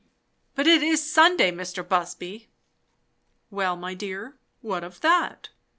"But it is Sunday, Mr. Busby." "Well, my dear, what of that?